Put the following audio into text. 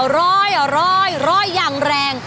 อร้อยอย่างแรง